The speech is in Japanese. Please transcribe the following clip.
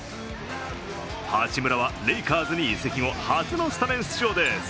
八村はレイカーズに移籍後初のスタメン出場です。